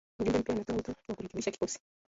Mjumbe mpya anatoa wito wa kurekebisha kikosi